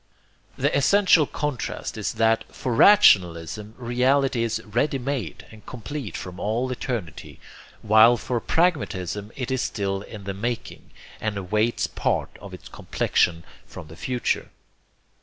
The essential contrast is that for rationalism reality is ready made and complete from all eternity, while for pragmatism it is still in the making, and awaits part of its complexion from the future.